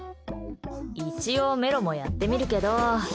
一応メロもやってみるけど。